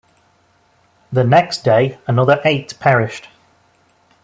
The next day, another eight perished.